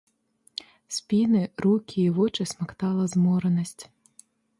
Спіны, рукі і вочы смактала зморанасць.